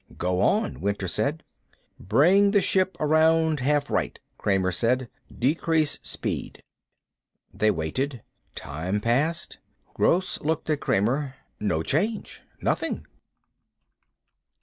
"Go on," Winter said. "Bring the ship around half right," Kramer said. "Decrease speed." They waited. Time passed. Gross looked at Kramer. "No change. Nothing."